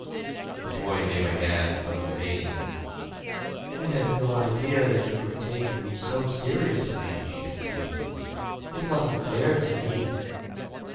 The boy gave a gasp of amazement. "I had no idea that you were taking me so seriously," she continued. "It wasn't fair to me."